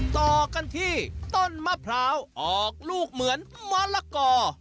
ต่อกันที่ต้นมะพร้าวออกลูกเหมือนมะละกอ